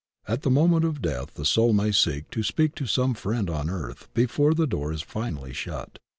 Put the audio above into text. At the moment of death the soul may speak to some friend on earth before the door is finally shut.